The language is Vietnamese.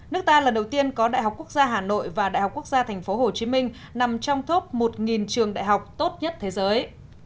nước ta lần đầu tiên có đại học quốc gia hà nội và đại học quốc gia tp hcm nằm trong top một trường đại học tốt nhất thế giới